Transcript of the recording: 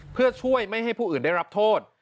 เพื่อช่วยไม่ให้ผู้อื่นได้รับโทษ